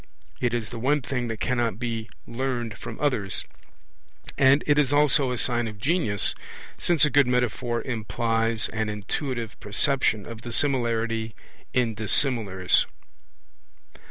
It is the one thing that cannot be learnt from others; and it is also a sign of genius, since a good metaphor implies an intuitive perception of the similarity in dissimilars.